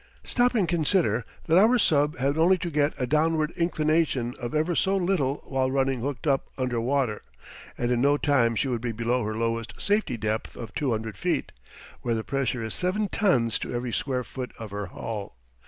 Stop and consider that our sub had only to get a downward inclination of ever so little while running hooked up under water, and in no time she would be below her lowest safety depth of 200 feet, where the pressure is 7 tons to every square foot of her hull.